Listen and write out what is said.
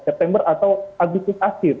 september atau agustus akhir